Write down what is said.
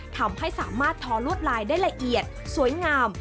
ทำให้สามารถทอลวดลายได้ละเอียดสวยงาม